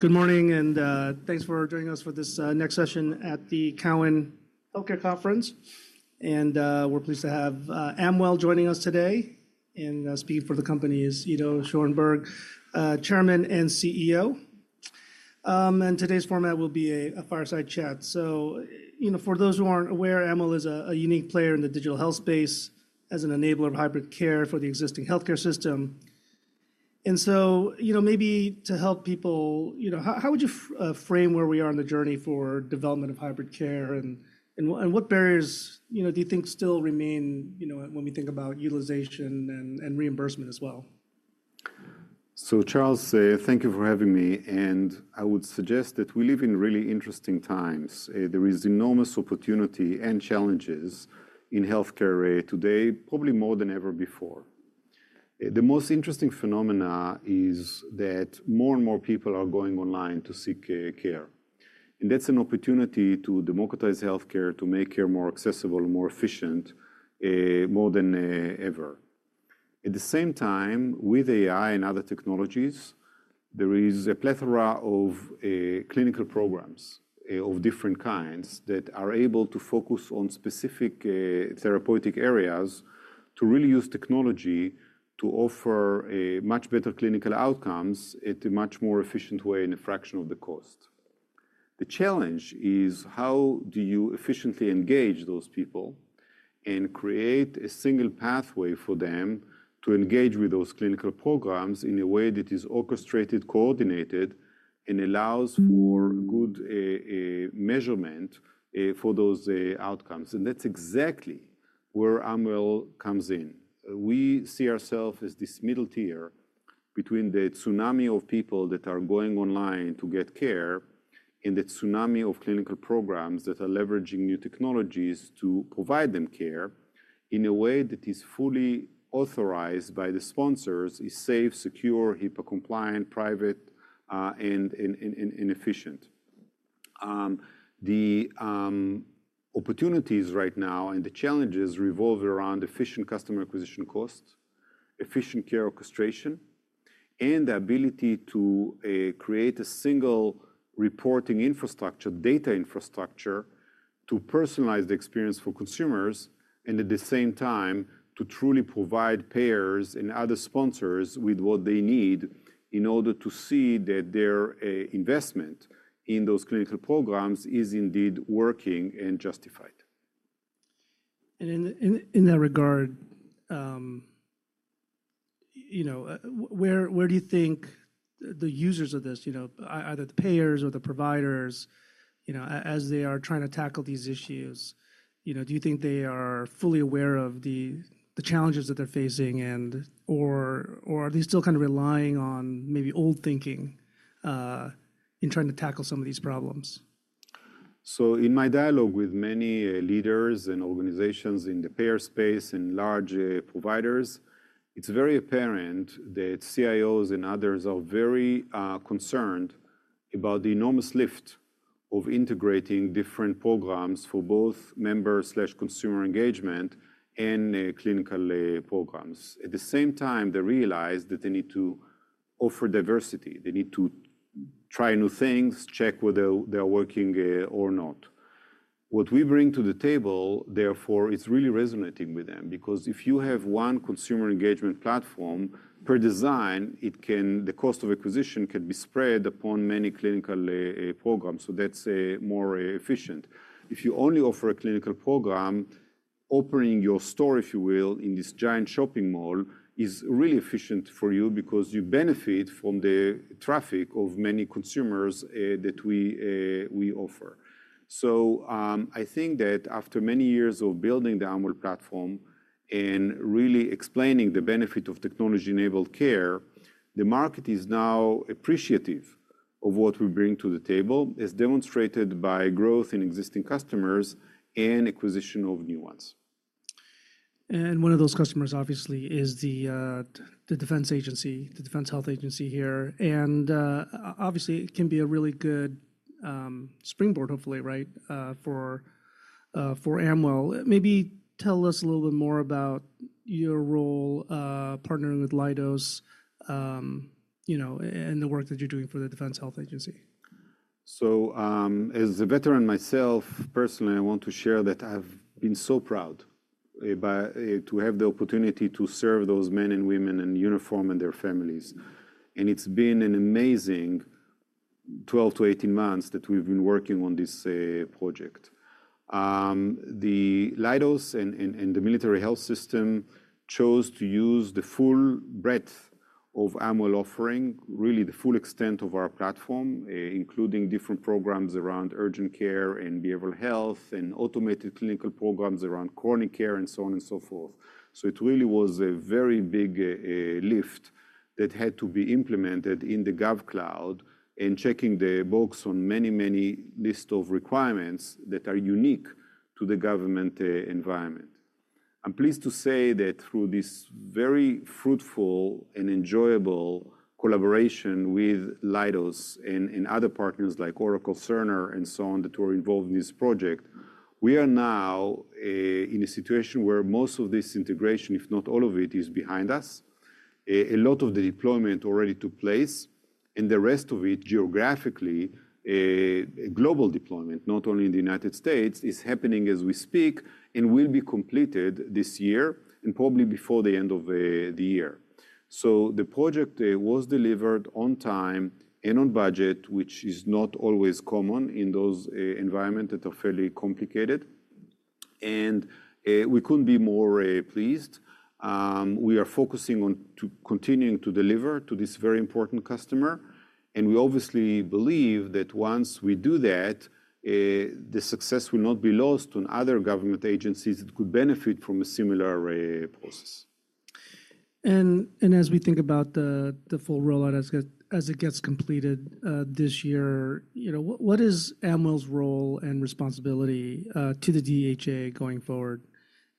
Good morning, and thanks for joining us for this next session at the Cowen Healthcare Conference. We're pleased to have Amwell joining us today and speaking for the company is Ido Schoenberg, Chairman and CEO. Today's format will be a fireside chat. For those who aren't aware, Amwell is a unique player in the digital health space as an enabler of hybrid care for the existing healthcare system. Maybe to help people, you know, how would you frame where we are in the journey for development of hybrid care and what barriers, you know, do you think still remain, you know, when we think about utilization and reimbursement as well? Charles, thank you for having me. I would suggest that we live in really interesting times. There is enormous opportunity and challenges in healthcare today, probably more than ever before. The most interesting phenomena is that more and more people are going online to seek care. That's an opportunity to democratize healthcare, to make care more accessible and more efficient more than ever. At the same time, with AI and other technologies, there is a plethora of clinical programs of different kinds that are able to focus on specific therapeutic areas to really use technology to offer much better clinical outcomes at a much more efficient way and a fraction of the cost. The challenge is how do you efficiently engage those people and create a single pathway for them to engage with those clinical programs in a way that is orchestrated, coordinated, and allows for good measurement for those outcomes. That is exactly where Amwell comes in. We see ourselves as this middle tier between the tsunami of people that are going online to get care and the tsunami of clinical programs that are leveraging new technologies to provide them care in a way that is fully authorized by the sponsors, is safe, secure, HIPAA compliant, private, and efficient. The opportunities right now and the challenges revolve around efficient customer acquisition costs, efficient care orchestration, and the ability to create a single reporting infrastructure, data infrastructure to personalize the experience for consumers and at the same time to truly provide payers and other sponsors with what they need in order to see that their investment in those clinical programs is indeed working and justified. In that regard, you know, where do you think the users of this, you know, either the payers or the providers, you know, as they are trying to tackle these issues, you know, do you think they are fully aware of the challenges that they're facing and/or are they still kind of relying on maybe old thinking in trying to tackle some of these problems? In my dialogue with many leaders and organizations in the payer space and large providers, it's very apparent that CIOs and others are very concerned about the enormous lift of integrating different programs for both member/consumer engagement and clinical programs. At the same time, they realize that they need to offer diversity. They need to try new things, check whether they're working or not. What we bring to the table, therefore, is really resonating with them because if you have one consumer engagement platform, per design, the cost of acquisition can be spread upon many clinical programs. That's more efficient. If you only offer a clinical program, opening your store, if you will, in this giant shopping mall is really efficient for you because you benefit from the traffic of many consumers that we offer. I think that after many years of building the Amwell platform and really explaining the benefit of technology-enabled care, the market is now appreciative of what we bring to the table as demonstrated by growth in existing customers and acquisition of new ones. One of those customers obviously is the Defense Health Agency here. Obviously, it can be a really good springboard, hopefully, right, for Amwell. Maybe tell us a little bit more about your role partnering with Leidos, you know, and the work that you're doing for the Defense Health Agency. As a veteran myself, personally, I want to share that I've been so proud to have the opportunity to serve those men and women in uniform and their families. It's been an amazing 12 to 18 months that we've been working on this project. Leidos and the Military Health System chose to use the full breadth of Amwell offering, really the full extent of our platform, including different programs around urgent care and behavioral health and automated clinical programs around chronic care and so on and so forth. It really was a very big lift that had to be implemented in the GovCloud and checking the box on many, many lists of requirements that are unique to the government environment. I'm pleased to say that through this very fruitful and enjoyable collaboration with Leidos and other partners like Oracle, Cerner, and so on that were involved in this project, we are now in a situation where most of this integration, if not all of it, is behind us. A lot of the deployment already took place. The rest of it, geographically, global deployment, not only in the United States, is happening as we speak and will be completed this year and probably before the end of the year. The project was delivered on time and on budget, which is not always common in those environments that are fairly complicated. We couldn't be more pleased. We are focusing on continuing to deliver to this very important customer. We obviously believe that once we do that, the success will not be lost on other government agencies that could benefit from a similar process. As we think about the full rollout as it gets completed this year, you know, what is Amwell's role and responsibility to the DHA going forward?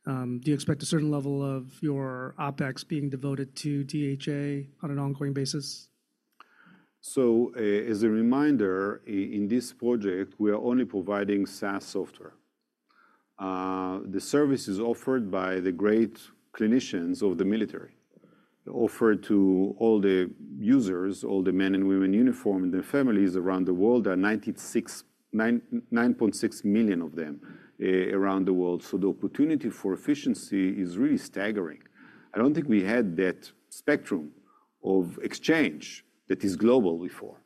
Do you expect a certain level of your OPEX being devoted to DHA on an ongoing basis? As a reminder, in this project, we are only providing SaaS software. The service is offered by the great clinicians of the military. Offered to all the users, all the men and women in uniform and their families around the world, there are 9.6 million of them around the world. The opportunity for efficiency is really staggering. I don't think we had that spectrum of exchange that is global before.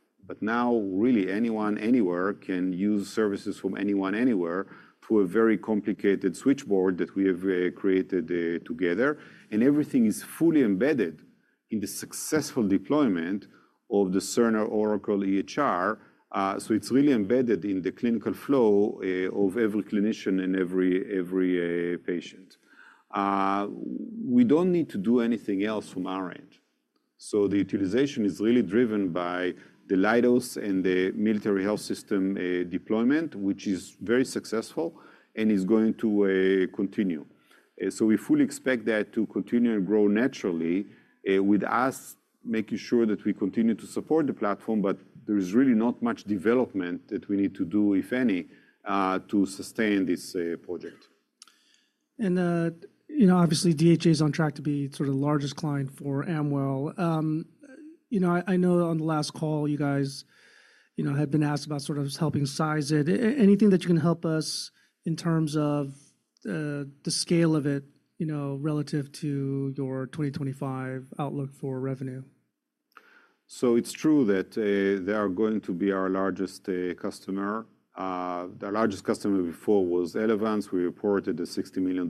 Now really anyone, anywhere can use services from anyone, anywhere through a very complicated switchboard that we have created together. Everything is fully embedded in the successful deployment of the Cerner, Oracle, EHR. It is really embedded in the clinical flow of every clinician and every patient. We don't need to do anything else from our end. The utilization is really driven by the Leidos and the Military Health System deployment, which is very successful and is going to continue. We fully expect that to continue and grow naturally with us making sure that we continue to support the platform, but there is really not much development that we need to do, if any, to sustain this project. You know, obviously, DHA is on track to be sort of the largest client for Amwell. You know, I know on the last call, you guys, you know, had been asked about sort of helping size it. Anything that you can help us in terms of the scale of it, you know, relative to your 2025 outlook for revenue? It is true that they are going to be our largest customer. Their largest customer before was Elevance Health. We reported the $60 million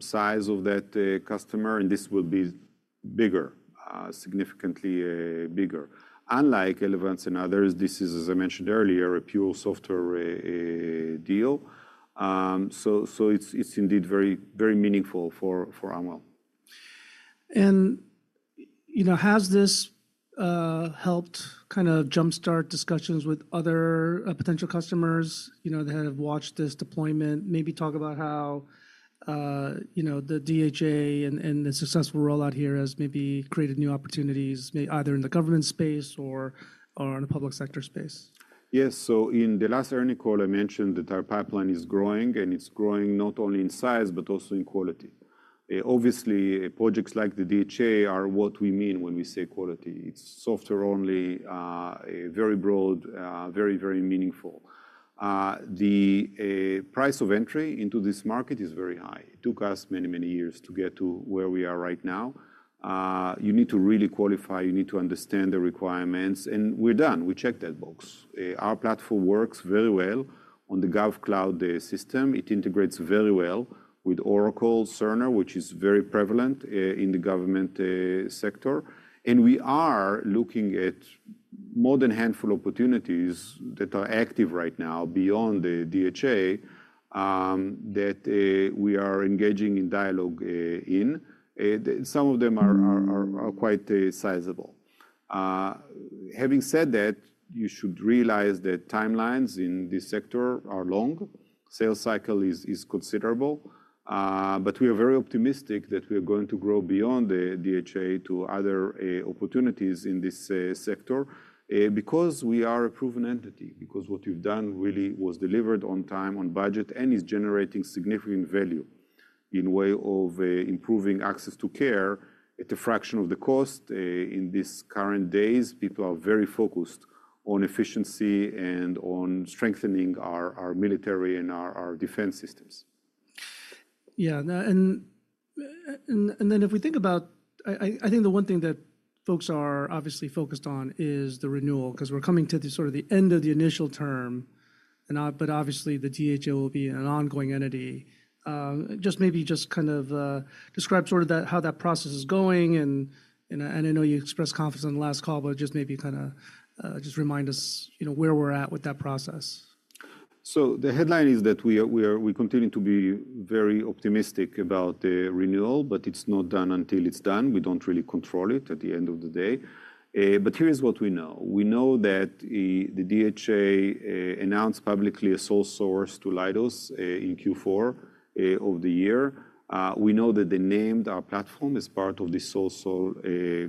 size of that customer. This will be bigger, significantly bigger. Unlike Elevance Health and others, this is, as I mentioned earlier, a pure software deal. It is indeed very meaningful for Amwell. You know, has this helped kind of jumpstart discussions with other potential customers, you know, that have watched this deployment? Maybe talk about how, you know, the DHA and the successful rollout here has maybe created new opportunities either in the government space or in the public sector space? Yes. In the last earning call, I mentioned that our pipeline is growing and it's growing not only in size, but also in quality. Obviously, projects like the DHA are what we mean when we say quality. It's software only, very broad, very, very meaningful. The price of entry into this market is very high. It took us many, many years to get to where we are right now. You need to really qualify. You need to understand the requirements. We're done. We checked that box. Our platform works very well on the GovCloud system. It integrates very well with Oracle, Cerner, which is very prevalent in the government sector. We are looking at more than a handful of opportunities that are active right now beyond the DHA that we are engaging in dialogue in. Some of them are quite sizable. Having said that, you should realize that timelines in this sector are long. Sales cycle is considerable. We are very optimistic that we are going to grow beyond the DHA to other opportunities in this sector because we are a proven entity, because what we've done really was delivered on time, on budget, and is generating significant value in way of improving access to care at a fraction of the cost. In these current days, people are very focused on efficiency and on strengthening our military and our defense systems. Yeah. If we think about, I think the one thing that folks are obviously focused on is the renewal because we're coming to sort of the end of the initial term. Obviously, the DHA will be an ongoing entity. Just maybe kind of describe sort of how that process is going. I know you expressed confidence on the last call, but just maybe kind of just remind us, you know, where we're at with that process. The headline is that we continue to be very optimistic about the renewal, but it's not done until it's done. We don't really control it at the end of the day. Here is what we know. We know that the DHA announced publicly a sole source to Leidos in Q4 of the year. We know that they named our platform as part of the sole source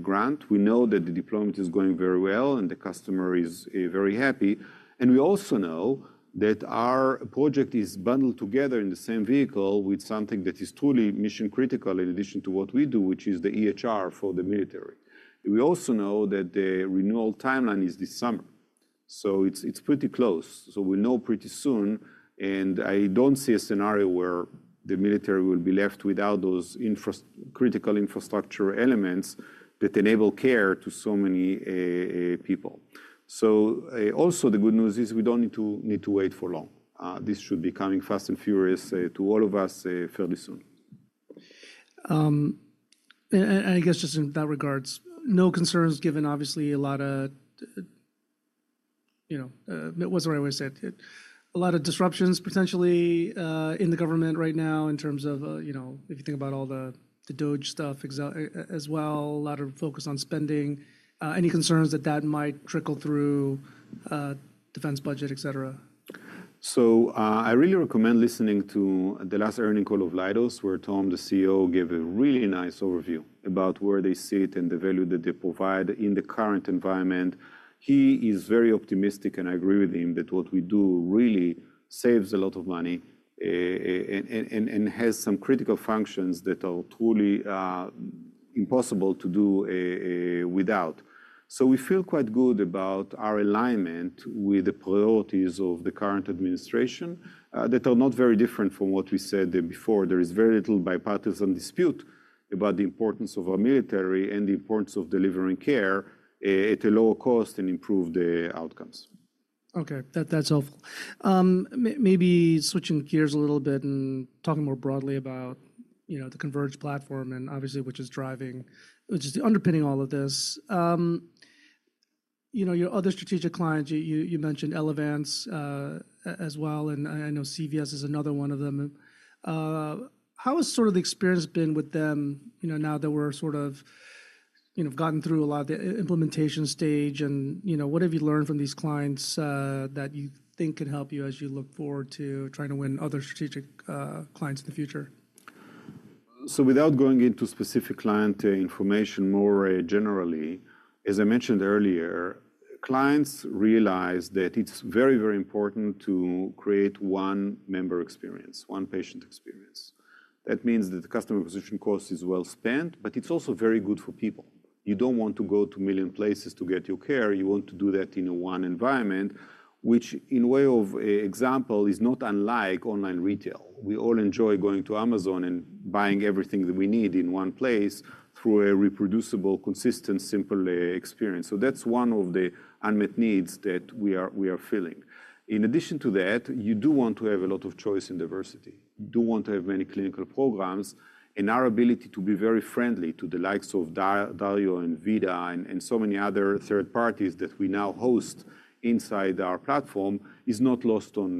grant. We know that the deployment is going very well and the customer is very happy. We also know that our project is bundled together in the same vehicle with something that is truly mission critical in addition to what we do, which is the EHR for the military. We also know that the renewal timeline is this summer. It's pretty close. We'll know pretty soon. I don't see a scenario where the military will be left without those critical infrastructure elements that enable care to so many people. The good news is we don't need to wait for long. This should be coming fast and furious to all of us fairly soon. I guess just in that regards, no concerns given obviously a lot of, you know, what's the right way to say it? A lot of disruptions potentially in the government right now in terms of, you know, if you think about all the DoD stuff as well, a lot of focus on spending. Any concerns that that might trickle through defense budget, et cetera? I really recommend listening to the last earnings call of Leidos where Tom, the CEO, gave a really nice overview about where they sit and the value that they provide in the current environment. He is very optimistic and I agree with him that what we do really saves a lot of money and has some critical functions that are truly impossible to do without. We feel quite good about our alignment with the priorities of the current administration that are not very different from what we said before. There is very little bipartisan dispute about the importance of our military and the importance of delivering care at a lower cost and improved outcomes. Okay. That's helpful. Maybe switching gears a little bit and talking more broadly about, you know, the Converge platform and obviously which is driving, which is underpinning all of this. You know, your other strategic clients, you mentioned Elevance as well. I know CVS is another one of them. How has sort of the experience been with them, you know, now that we're sort of, you know, gotten through a lot of the implementation stage? You know, what have you learned from these clients that you think can help you as you look forward to trying to win other strategic clients in the future? Without going into specific client information, more generally, as I mentioned earlier, clients realize that it's very, very important to create one member experience, one patient experience. That means that the customer acquisition cost is well spent, but it's also very good for people. You don't want to go to a million places to get your care. You want to do that in one environment, which in way of example is not unlike online retail. We all enjoy going to Amazon and buying everything that we need in one place through a reproducible, consistent, simple experience. That's one of the unmet needs that we are filling. In addition to that, you do want to have a lot of choice in diversity. You do want to have many clinical programs. Our ability to be very friendly to the likes of Dario and Vida and so many other third parties that we now host inside our platform is not lost on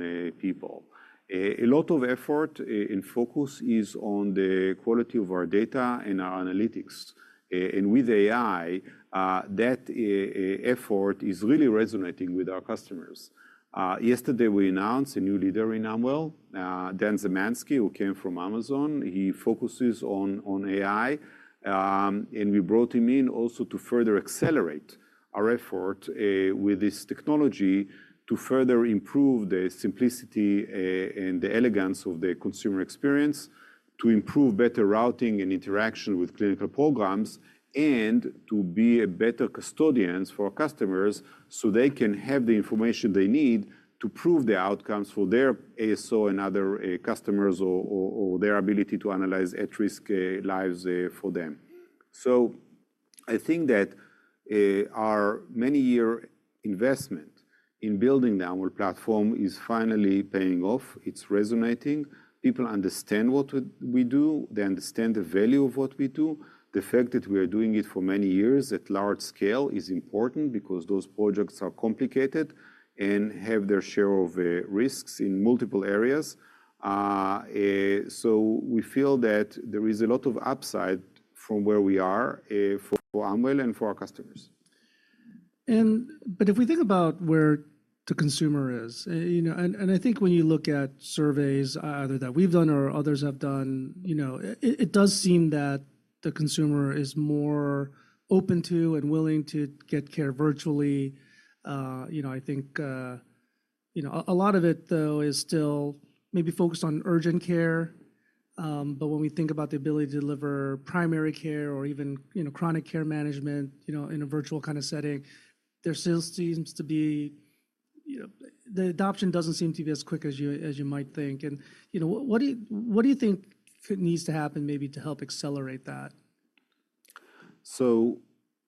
people. A lot of effort and focus is on the quality of our data and our analytics. With AI, that effort is really resonating with our customers. Yesterday, we announced a new leader in Amwell, Dan Zamansky, who came from Amazon. He focuses on AI. We brought him in also to further accelerate our effort with this technology to further improve the simplicity and the elegance of the consumer experience, to improve better routing and interaction with clinical programs, and to be better custodians for our customers so they can have the information they need to prove the outcomes for their ASO and other customers or their ability to analyze at-risk lives for them. I think that our many-year investment in building the Amwell platform is finally paying off. It's resonating. People understand what we do. They understand the value of what we do. The fact that we are doing it for many years at large scale is important because those projects are complicated and have their share of risks in multiple areas. We feel that there is a lot of upside from where we are for Amwell and for our customers. If we think about where the consumer is, you know, and I think when you look at surveys either that we've done or others have done, you know, it does seem that the consumer is more open to and willing to get care virtually. You know, I think, you know, a lot of it though is still maybe focused on urgent care. When we think about the ability to deliver primary care or even, you know, chronic care management, you know, in a virtual kind of setting, there still seems to be, you know, the adoption doesn't seem to be as quick as you might think. You know, what do you think needs to happen maybe to help accelerate that?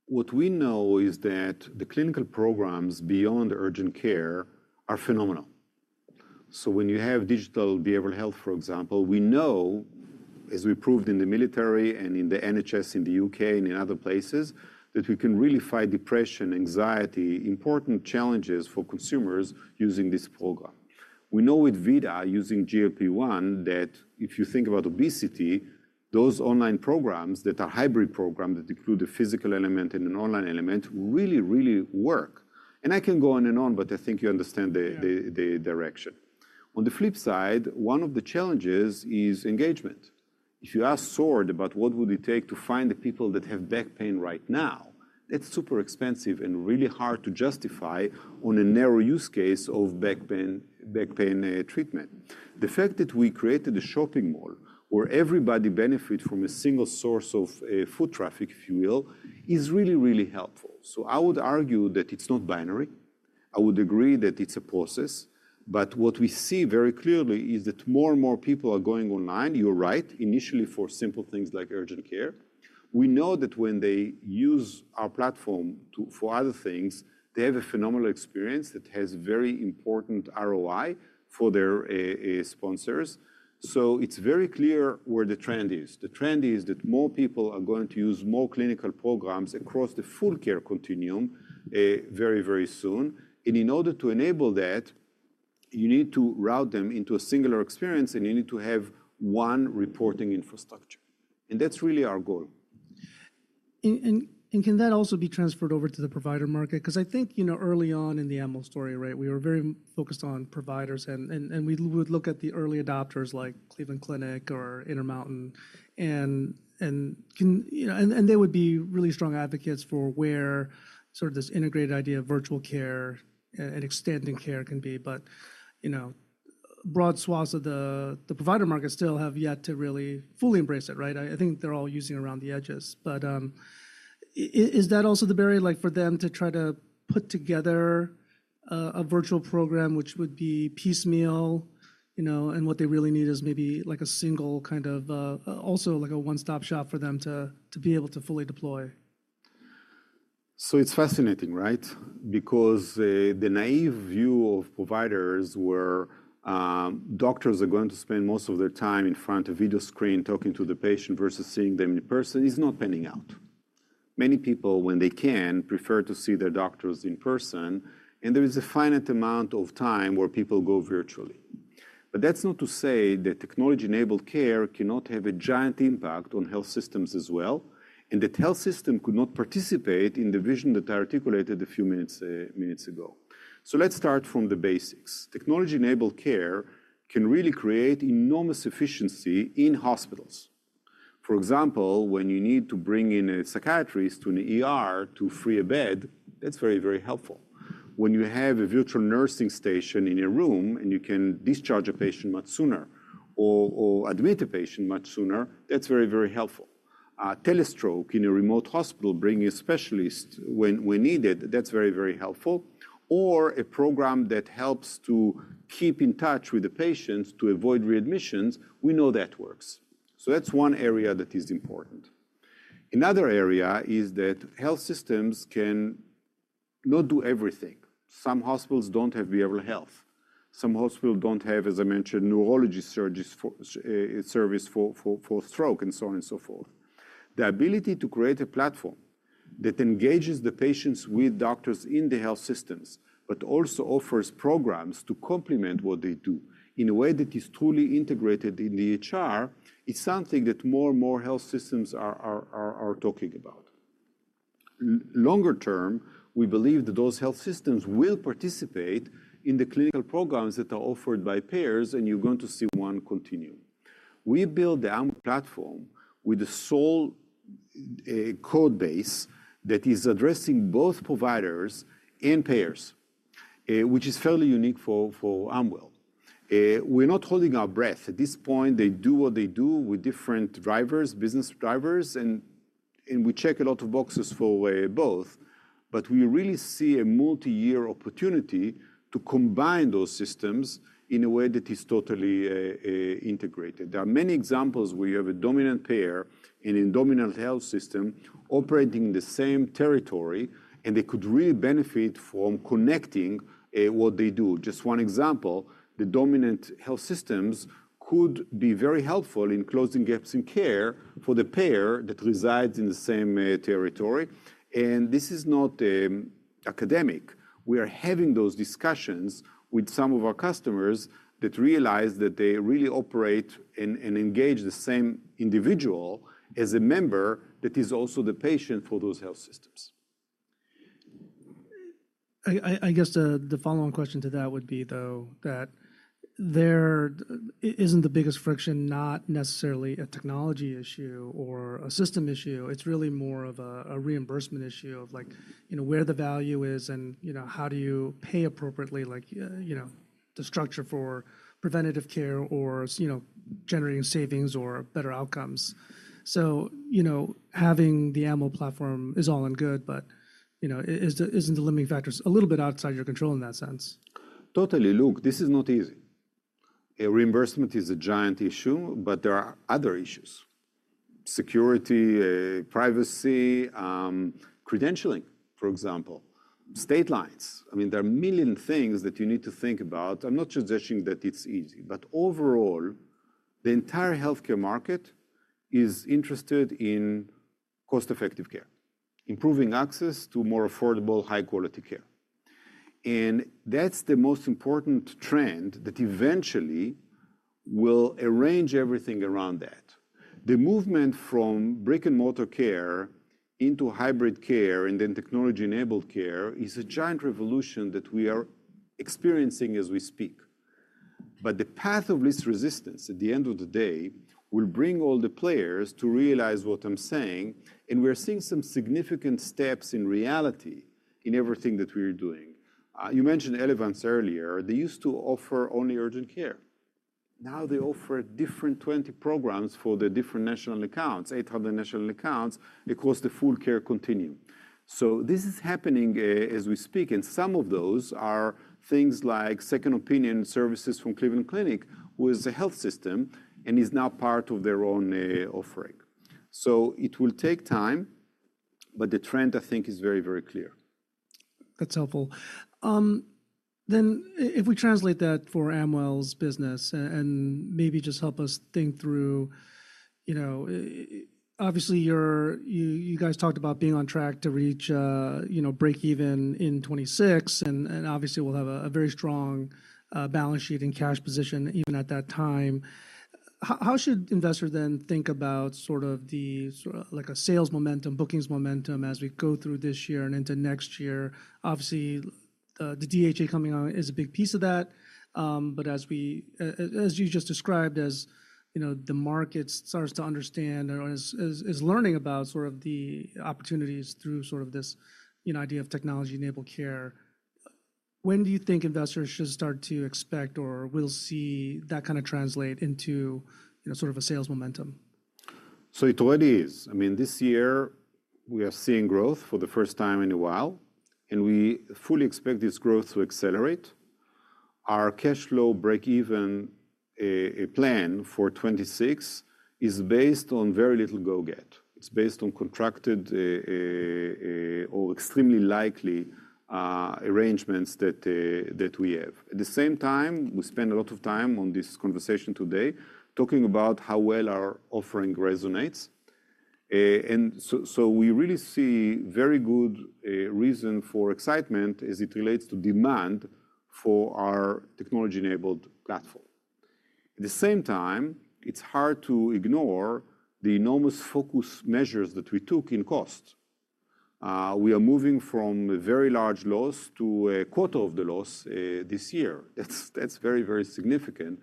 What we know is that the clinical programs beyond urgent care are phenomenal. When you have digital behavioral health, for example, we know, as we proved in the military and in the NHS in the UK and in other places, that we can really fight depression, anxiety, important challenges for consumers using this program. We know with Vida using GLP-1 that if you think about obesity, those online programs that are hybrid programs that include the physical element and an online element really, really work. I can go on and on, but I think you understand the direction. On the flip side, one of the challenges is engagement. If you ask Sword about what it would take to find the people that have back pain right now, that is super expensive and really hard to justify on a narrow use case of back pain treatment. The fact that we created a shopping mall where everybody benefits from a single source of foot traffic, if you will, is really, really helpful. I would argue that it's not binary. I would agree that it's a process. What we see very clearly is that more and more people are going online. You're right. Initially for simple things like urgent care. We know that when they use our platform for other things, they have a phenomenal experience that has very important ROI for their sponsors. It is very clear where the trend is. The trend is that more people are going to use more clinical programs across the full care continuum very, very soon. In order to enable that, you need to route them into a singular experience and you need to have one reporting infrastructure. That is really our goal. Can that also be transferred over to the provider market? I think, you know, early on in the Amwell story, right, we were very focused on providers and we would look at the early adopters like Cleveland Clinic or Intermountain. You know, they would be really strong advocates for where sort of this integrated idea of virtual care and extending care can be. You know, broad swaths of the provider market still have yet to really fully embrace it, right? I think they're all using around the edges. Is that also the barrier, like for them to try to put together a virtual program which would be piecemeal, you know, and what they really need is maybe like a single kind of also like a one-stop shop for them to be able to fully deploy? It's fascinating, right? Because the naive view of providers where doctors are going to spend most of their time in front of a video screen talking to the patient versus seeing them in person is not panning out. Many people, when they can, prefer to see their doctors in person. There is a finite amount of time where people go virtually. That's not to say that technology-enabled care cannot have a giant impact on health systems as well and that health system could not participate in the vision that I articulated a few minutes ago. Let's start from the basics. Technology-enabled care can really create enormous efficiency in hospitals. For example, when you need to bring in a psychiatrist to free a bed, that's very, very helpful. When you have a virtual nursing station in a room and you can discharge a patient much sooner or admit a patient much sooner, that's very, very helpful. Telestroke in a remote hospital bringing a specialist when needed, that's very, very helpful. Or a program that helps to keep in touch with the patients to avoid readmissions, we know that works. That is one area that is important. Another area is that health systems cannot do everything. Some hospitals do not have behavioral health. Some hospitals do not have, as I mentioned, neurology service for stroke and so on and so forth. The ability to create a platform that engages the patients with doctors in the health systems, but also offers programs to complement what they do in a way that is truly integrated in the EHR is something that more and more health systems are talking about. Longer term, we believe that those health systems will participate in the clinical programs that are offered by payers and you're going to see one continue. We built the Amwell platform with a sole code base that is addressing both providers and payers, which is fairly unique for Amwell. We're not holding our breath at this point. They do what they do with different drivers, business drivers, and we check a lot of boxes for both. We really see a multi-year opportunity to combine those systems in a way that is totally integrated. There are many examples where you have a dominant payer and a dominant health system operating in the same territory, and they could really benefit from connecting what they do. Just one example, the dominant health systems could be very helpful in closing gaps in care for the payer that resides in the same territory. This is not academic. We are having those discussions with some of our customers that realize that they really operate and engage the same individual as a member that is also the patient for those health systems. I guess the following question to that would be though that there isn't the biggest friction, not necessarily a technology issue or a system issue. It's really more of a reimbursement issue of like, you know, where the value is and, you know, how do you pay appropriately, like, you know, the structure for preventative care or, you know, generating savings or better outcomes. You know, having the Amwell platform is all in good, but, you know, isn't the limiting factor a little bit outside your control in that sense? Totally. Look, this is not easy. Reimbursement is a giant issue, but there are other issues. Security, privacy, credentialing, for example, state lines. I mean, there are a million things that you need to think about. I'm not suggesting that it's easy, but overall, the entire healthcare market is interested in cost-effective care, improving access to more affordable, high-quality care. That is the most important trend that eventually will arrange everything around that. The movement from brick-and-mortar care into hybrid care and then technology-enabled care is a giant revolution that we are experiencing as we speak. The path of least resistance at the end of the day will bring all the players to realize what I'm saying. We are seeing some significant steps in reality in everything that we are doing. You mentioned Elevance earlier. They used to offer only urgent care. Now they offer 20 different programs for the different national accounts, 800 national accounts across the full care continuum. This is happening as we speak. Some of those are things like second opinion services from Cleveland Clinic, who is a health system and is now part of their own offering. It will take time, but the trend I think is very, very clear. That's helpful. If we translate that for Amwell's business and maybe just help us think through, you know, obviously you guys talked about being on track to reach, you know, break even in 2026 and obviously we'll have a very strong balance sheet and cash position even at that time. How should investors then think about sort of the, like a sales momentum, bookings momentum as we go through this year and into next year? Obviously, the DHA coming on is a big piece of that. As you just described, as you know, the market starts to understand or is learning about sort of the opportunities through sort of this, you know, idea of technology-enabled care, when do you think investors should start to expect or will see that kind of translate into, you know, sort of a sales momentum? It already is. I mean, this year we are seeing growth for the first time in a while. We fully expect this growth to accelerate. Our cash flow break even plan for 2026 is based on very little go get. It is based on contracted or extremely likely arrangements that we have. At the same time, we spend a lot of time on this conversation today talking about how well our offering resonates. We really see very good reason for excitement as it relates to demand for our technology-enabled platform. At the same time, it is hard to ignore the enormous focus measures that we took in cost. We are moving from a very large loss to a quarter of the loss this year. That is very, very significant.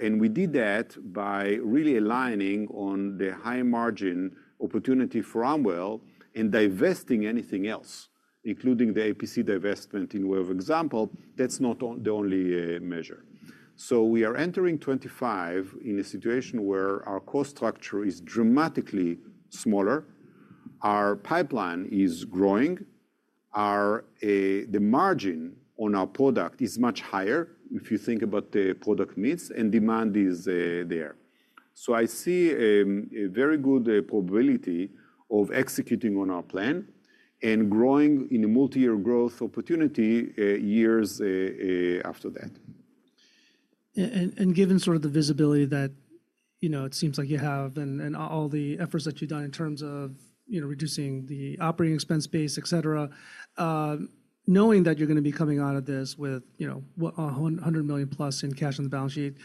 We did that by really aligning on the high margin opportunity for Amwell and divesting anything else, including the APC divestment in way of example. That is not the only measure. We are entering 2025 in a situation where our cost structure is dramatically smaller. Our pipeline is growing. The margin on our product is much higher if you think about the product needs and demand is there. I see a very good probability of executing on our plan and growing in a multi-year growth opportunity years after that. Given sort of the visibility that, you know, it seems like you have and all the efforts that you've done in terms of, you know, reducing the operating expense base, et cetera, knowing that you're going to be coming out of this with, you know, $100 million plus in cash on the balance sheet,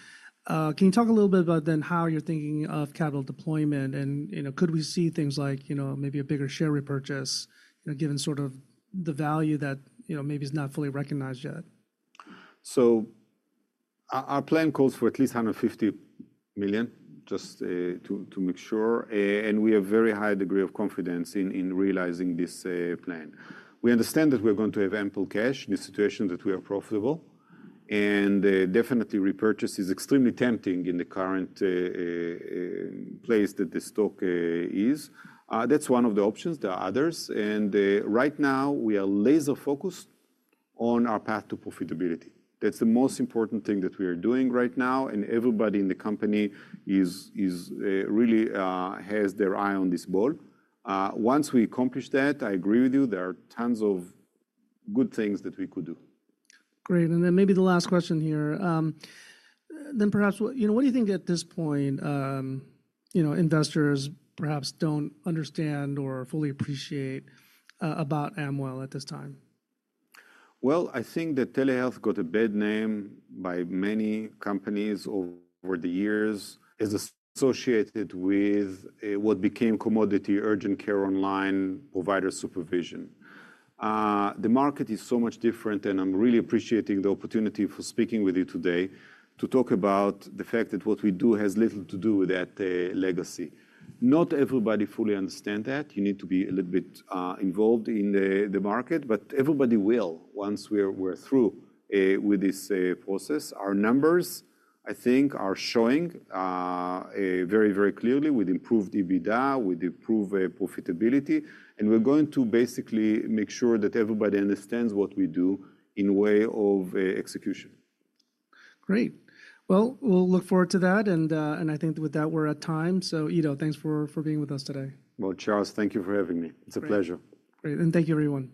can you talk a little bit about then how you're thinking of capital deployment and, you know, could we see things like, you know, maybe a bigger share repurchase, you know, given sort of the value that, you know, maybe is not fully recognized yet? Our plan calls for at least $150 million, just to make sure. We have a very high degree of confidence in realizing this plan. We understand that we're going to have ample cash in the situation that we are profitable. Definitely, repurchase is extremely tempting in the current place that the stock is. That is one of the options. There are others. Right now we are laser focused on our path to profitability. That is the most important thing that we are doing right now. Everybody in the company really has their eye on this ball. Once we accomplish that, I agree with you, there are tons of good things that we could do. Great. Maybe the last question here. Then perhaps, you know, what do you think at this point, you know, investors perhaps do not understand or fully appreciate about Amwell at this time? I think that telehealth got a bad name by many companies over the years as associated with what became commodity urgent care online provider supervision. The market is so much different and I'm really appreciating the opportunity for speaking with you today to talk about the fact that what we do has little to do with that legacy. Not everybody fully understands that. You need to be a little bit involved in the market, but everybody will once we're through with this process. Our numbers, I think, are showing very, very clearly with improved EBITDA, with improved profitability. We're going to basically make sure that everybody understands what we do in way of execution. Great. We will look forward to that. I think with that, we are at time. You know, thanks for being with us today. Charles, thank you for having me. It's a pleasure. Great. Thank you, everyone.